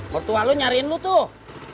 waktu lalu nyariin lu tuh